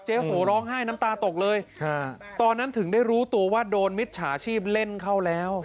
โหร้องไห้น้ำตาตกเลยตอนนั้นถึงได้รู้ตัวว่าโดนมิจฉาชีพเล่นเข้าแล้ว